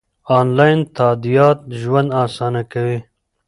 انلاین تادیات ژوند اسانه کوي.